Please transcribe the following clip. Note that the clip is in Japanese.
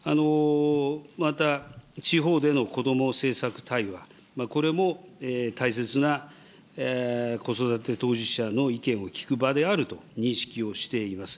また、地方でのこども政策対話、これも大切な子育て当事者の意見を聞く場であると認識をしています。